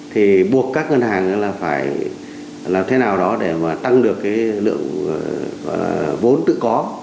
thì buộc các ngân hàng là phải làm thế nào đó để mà tăng được cái lượng vốn tự có